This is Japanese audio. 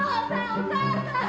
お母さん！